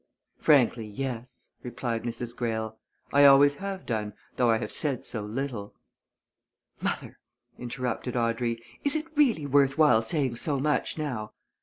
"Frankly yes," replied Mrs. Greyle. "I always have done, though I have said so little " "Mother!" interrupted Audrey. "Is it really worth while saying so much now!